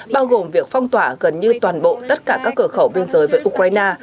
bao gồm việc phong tỏa gần như toàn bộ tất cả các cửa khẩu biên giới với ukraine